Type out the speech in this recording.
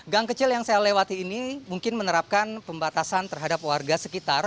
gang kecil yang saya lewati ini mungkin menerapkan pembatasan terhadap warga sekitar